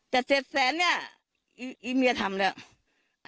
จาก๗๐๐๐๐๐บาทเกี่ยวกับอาหารเฮี้ยเมียก็ทำเรื่องแบบนั้น